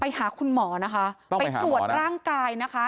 ไปหาคุณหมอนะคะต้องไปหาหมอนะคะไปตรวจร่างกายนะคะ